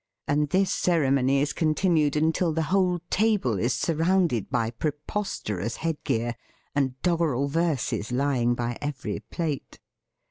And this ceremony is continued until the whole table is surrounded by preposterous headgear, and doggerel verse is lying by every plate.